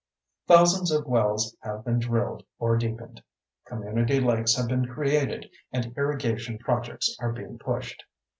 Thousands of wells have been drilled or deepened; community lakes have been created and irrigation projects are being pushed.